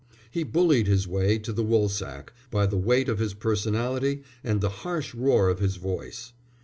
He bullied his way to the Woolsack by the weight of his personality and the harsh roar of his voice.